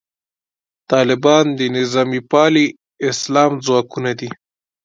طالبان د نظامي پالي اسلام ځواکونه دي.